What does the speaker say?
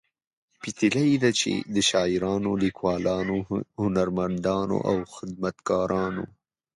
پتیلې ده چې د شاعرانو، لیکوالو، هنرمندانو او خدمتګارانو